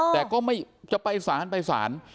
แต่ก็ไม่จะไปสารไปศาล